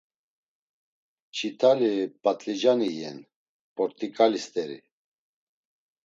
Mç̌itali patlicani iyen, port̆iǩali steri.